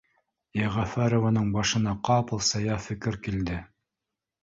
Йәғәфәрованың башына ҡапыл сая фекер килде